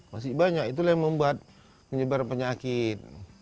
masih banyak itulah yang membuat menyebar penyakit